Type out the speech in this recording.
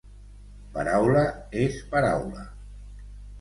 Paraula és paraula.